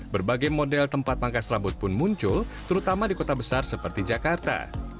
berbagai model tempat pangkas rambut pun muncul terutama di kota besar seperti jakarta